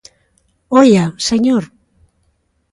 "Oia, señor"."